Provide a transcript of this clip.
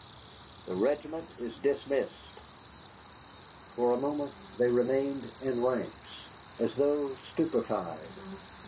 The regiment is dismissed." For a moment they remained in ranks, as though stupefied.